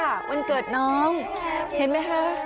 วันเกิดน้องเห็นไหมคะ